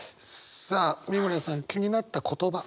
さあ美村さん気になった言葉。